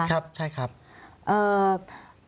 ครับใช่ครับ